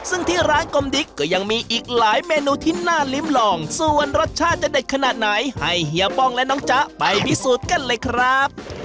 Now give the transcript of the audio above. ซึ่งที่ร้านกลมดิ๊กก็ยังมีอีกหลายเมนูที่น่าลิ้มลองส่วนรสชาติจะเด็ดขนาดไหนให้เฮียป้องและน้องจ๊ะไปพิสูจน์กันเลยครับ